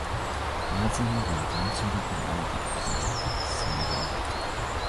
真夏の午後、団地の中を歩いているときにそれがわかった